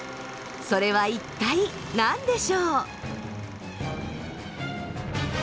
それは一体何でしょう？